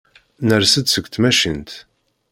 Ners-d seg tmacint.